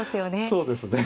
そうですね。